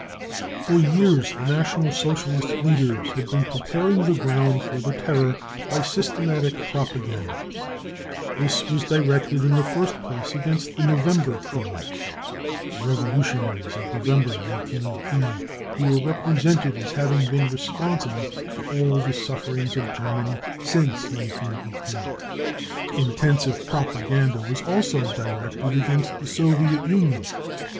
For years the National Socialist leaders had been preparing tl^e ground for the terror by systematic propaganda. This was directed in the first place against " the November criminal^" — the revolutionaries of November 1918 — who were represented as having been responsible for all the sufferings of Germany BRUTALITY AND TORTURE 201 since 1918. Intensive propaganda was also directed against the Soviet Union.